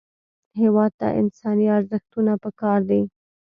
هېواد ته انساني ارزښتونه پکار دي